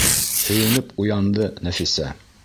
Һөйөнөп уянды Нәфисә.